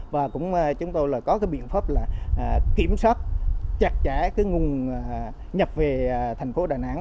và cũng chúng tôi có biện pháp kiểm soát chặt chẽ nguồn nhập về thành phố đà nẵng